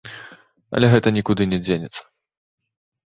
Але гэта нікуды не дзенецца.